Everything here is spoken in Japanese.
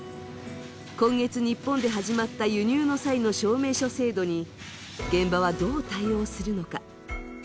今月、日本で始まった輸入の際の証明書制度に現場はどう対応するのか。